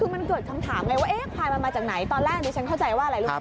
มันเกิดคำถามไงว่าควายมาจากไหนตอนแรกที่ฉันเข้าใจว่าอะไร